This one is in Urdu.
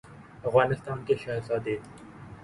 افغانستان کےشہزاد ے